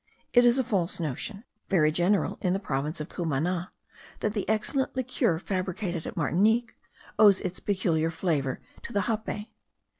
It is a false notion, very general in the province of Cumana, that the excellent liqueur fabricated at Martinique owes its peculiar flavour to the jape.